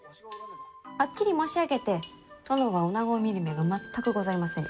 はっきり申し上げて殿は、おなごを見る目が全くございませぬ。